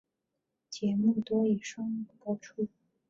节目多以双语播出。